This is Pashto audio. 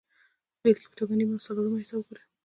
د بېلګې په توګه نیم او څلورمه حصه وګورئ